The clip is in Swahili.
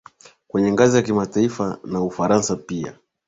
Kwenye ngazi ya kimataifa na Ufaransa pia